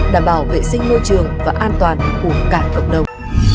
đảm bảo vệ sinh môi trường và an toàn của cả cộng đồng